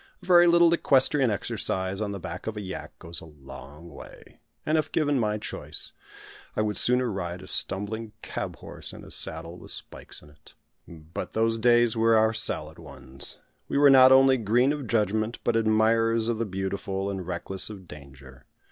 A very little equestrian exercise on the back of a yak goes a long way; and if given my choice, I would sooner ride a stumbling cab horse in a saddle with spikes in it. But those days were our salad ones; we were not only "green of judgment," but admirers of the beautiful, and reckless of danger.